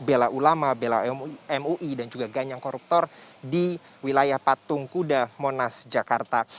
bela ulama bela mui dan juga ganyang koruptor di wilayah patung kuda monas jakarta